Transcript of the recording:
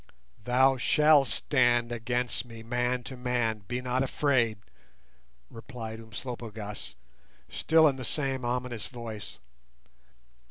"Thou shalt stand against me man to man, be not afraid," replied Umslopogaas, still in the same ominous voice.